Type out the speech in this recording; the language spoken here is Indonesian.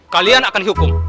kalian akan dihukum